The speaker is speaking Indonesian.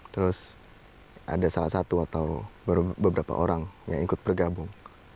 terus ada salah satu atau baru beberapa orang yang ikut bergabung